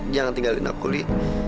jangan tinggalin aku li